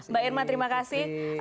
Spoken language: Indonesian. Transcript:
mbak irma terima kasih